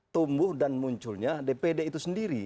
tumbuh dan munculnya dpd itu sendiri